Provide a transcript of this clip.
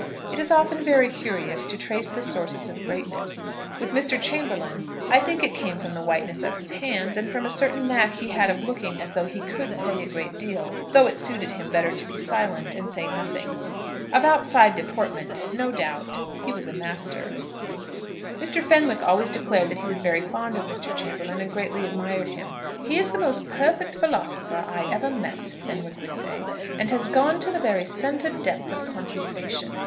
It is often very curious to trace the sources of greatness. With Mr. Chamberlaine, I think it came from the whiteness of his hands, and from a certain knack he had of looking as though he could say a great deal, though it suited him better to be silent, and say nothing. Of outside deportment, no doubt, he was a master. Mr. Fenwick always declared that he was very fond of Mr. Chamberlaine, and greatly admired him. "He is the most perfect philosopher I ever met," Fenwick would say, "and has gone to the very centre depth of contemplation.